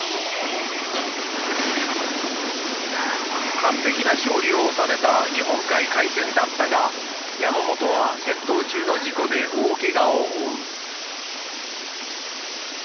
完璧な勝利を収めた日本海海戦だったが山本は戦闘中の事故で大けがを負う。